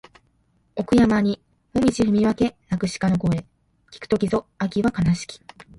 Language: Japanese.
奥山にもみぢ踏み分け鳴く鹿の声聞く時ぞ秋は悲しき